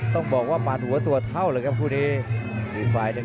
ต้องบอกว่าปาร์ดหัวตัวเท่าเลยครับครับครุ่นนี้